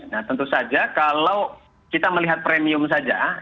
nah tentu saja kalau kita melihat premium saja